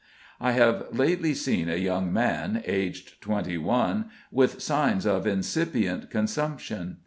I have lately seen a young man, aged 21, with signs of incipient consumption.